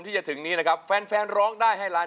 ที่จะถึงนี้นะครับแฟนแฟนร้องได้ให้ล้าน